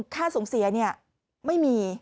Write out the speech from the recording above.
ค่าส่งเสียเนี่ยไม่มี